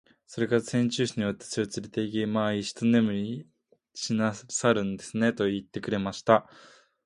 それから船長室に私をつれて行き、「まあ一寝入りしなさるんですね。」と言ってくれました。